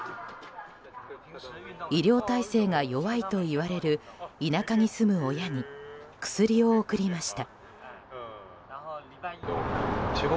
医療体制が弱いといわれる田舎に住む親に薬を送りました。